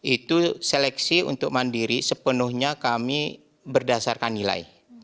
itu seleksi untuk mandiri sepenuhnya kami berdasarkan nilai